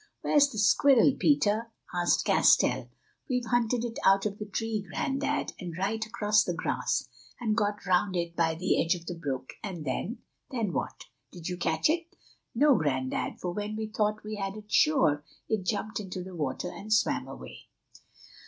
"Where's the squirrel, Peter?" asked Castell. "We hunted it out of the tree, Grandad, and right across the grass, and got round it by the edge of the brook, and then—" "Then what? Did you catch it?" "No, Grandad, for when we thought we had it sure, it jumped into the water and swam away."